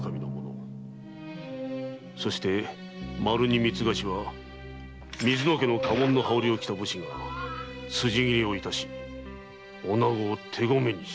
そして丸に三つ柏水野家・家紋の羽織を着た武士が辻斬りを致し女を手込めにし。